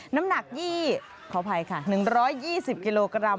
น้ำหนักขออภัยค่ะ๑๒๐กิโลกรัม